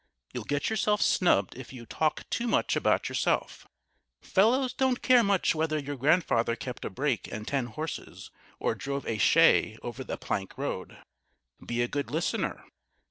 You'll get yourself snubbed if you talk too much about yourself. Fellows don't care much whether your grandfather kept a brake and ten horses, or drove a "shay" over the plank road. Be a good listener.